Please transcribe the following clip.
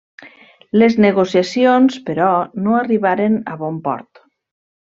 Les negociacions, però, no arribaren a bon port.